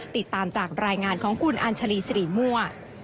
ติดตามจากรายงานของคุณอัญชาลีสิริมั่ว